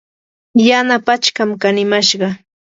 yana pachkam kanimashqa.